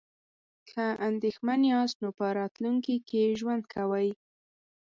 که اندیښمن یاست نو په راتلونکي کې ژوند کوئ.